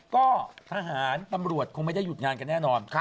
ก็ทหารตำรวจคงไม่ได้หยุดงานกันแน่นอน